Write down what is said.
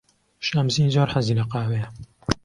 شەمزین زۆر حەزی لە قاوەیە.